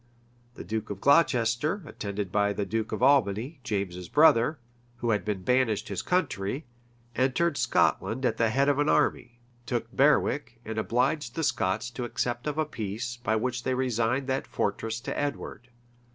The duke of Glocester, attended by the duke of Albany, James's brother, who had been banished his country, entered Scotland at the head of an army, took Berwick, and obliged the Scots to accept of a peace, by which they resigned that fortress to Edward.